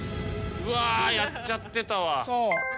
うわやっちゃってたわ。